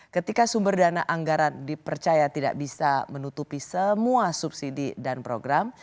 ketika sumber dana anggaran dipercaya tidak bisa menutupi semua subsidi dan program